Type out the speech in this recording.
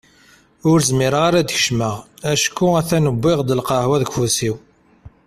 Ur zmireɣ ara ad d-kecmeɣ acku a-t-an wwiɣ-d lqahwa deg ufus-iw.